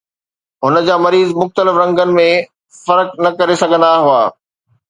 هن جا مريض مختلف رنگن ۾ فرق نه ڪري سگهندا هئا